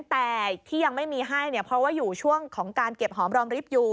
แต่ที่ยังไม่มีให้เนี่ยเพราะว่าอยู่ช่วงของการเก็บหอมรอมริบอยู่